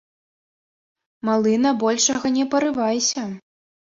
Малы на большага не парывайся!